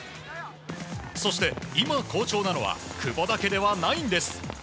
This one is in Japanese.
そして、今、好調なのは久保だけではないんです。